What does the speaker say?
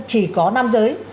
chỉ có nam giới